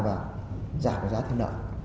và giảm giá thịt lợn